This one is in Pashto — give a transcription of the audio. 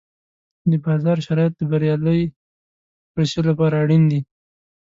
د بازار شرایط د بریالۍ پروسې لپاره اړین دي.